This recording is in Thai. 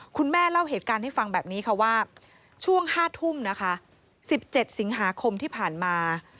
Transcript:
เล่าเหตุการณ์ให้ฟังแบบนี้ค่ะว่าช่วง๕ทุ่มนะคะ๑๗สิงหาคมที่ผ่านมา